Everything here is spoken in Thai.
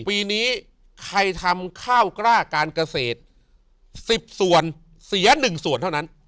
ปีนี้ใครทำข้าวกล้าการเกษตร๑๐ส่วนเสีย๑ส่วนเท่านั้น